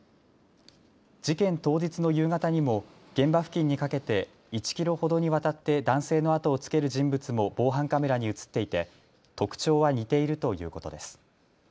事件当日の夕方にも現場付近にかけて１キロほどにわたって男性の後をつける人物も防犯カメラに写っていて特徴は似ているということです。